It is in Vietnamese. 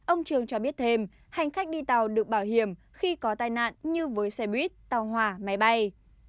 ông trường cho biết thêm hành khách đi tàu được bảo hiểm khi có tai nạn như với xe buýt tàu hỏa máy bay